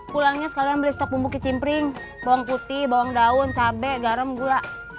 pulangnya sekalian beli stok bumbu kit cimpring bawang putih bawang daun cabai garam gula